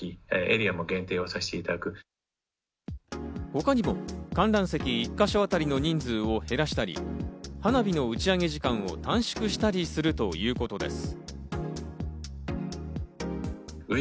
他にも観覧席１か所当たりの人数を減らしたり、花火の打ち上げ時間を短縮したりするということです。